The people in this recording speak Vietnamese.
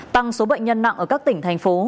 tăng số bệnh nhân nặng ở các tỉnh thành phố